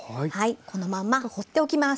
このまんまほっておきます。